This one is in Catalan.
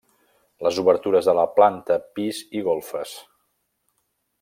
Les obertures de la planta pis i golfes.